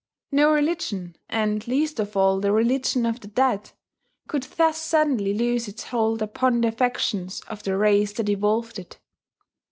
No religion and least of all the religion of the dead could thus suddenly lose its hold upon the affections of the race that evolved it.